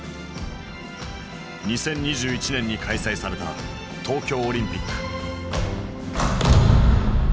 ２０２１年に開催された東京オリンピック。